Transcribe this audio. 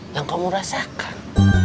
yang kamu rasakan